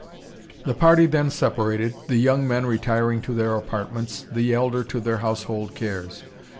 The party then separated, the young men retiring to their apartments, the elder to their household cares.